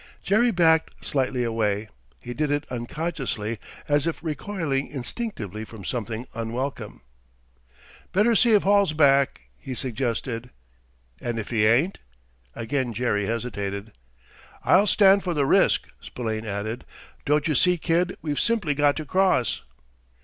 Jerry backed slightly away. He did it unconsciously, as if recoiling instinctively from something unwelcome. "Better see if Hall's back," he suggested. "And if he ain't?" Again Jerry hesitated. "I'll stand for the risk," Spillane added. "Don't you see, kid, we've simply got to cross!"